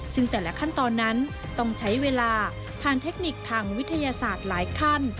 ซึ่งแต่ละขั้นตอนนั้นต้องใช้เวลาผ่านเทคนิคทางวิทยาศาสตร์หลายขั้น